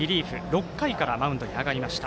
６回からマウンドに上がりました。